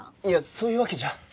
いやそういうわけじゃ。